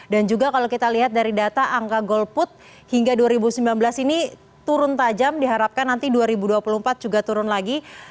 dan juga kalau kita lihat dari data angka golput hingga dua ribu sembilan belas ini turun tajam diharapkan nanti dua ribu dua puluh empat juga turun lagi